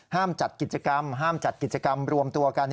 จัดกิจกรรมห้ามจัดกิจกรรมรวมตัวกัน